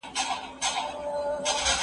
زه پرون چپنه پاکوم!؟